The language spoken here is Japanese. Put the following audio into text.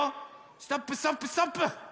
ストップストップストップ！